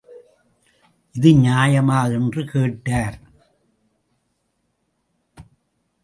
இது நியாயமா? என்று கேட்டார்.